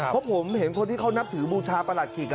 เพราะผมเห็นคนที่เขานับถือบูชาประหลัดขิก